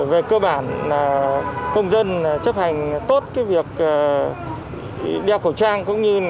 về cơ bản là công dân chấp hành tốt cái việc đeo khẩu trang